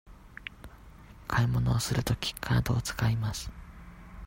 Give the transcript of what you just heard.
買い物をするとき、カードを使います。